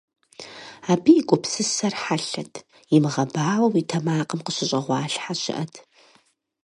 Абы и гупсысэр хьэлъэт, имыгъэбауэу и тэмакъым къыщыщӀэгъуалъхьэ щыӀэт.